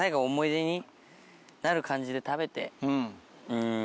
うん。